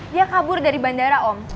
dia kabur dari bandara om